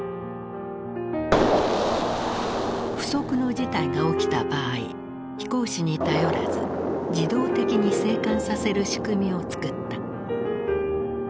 不測の事態が起きた場合飛行士に頼らず自動的に生還させる仕組みを作った。